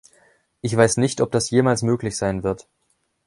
Ich weiß nicht, ob das jemals möglich sein wird.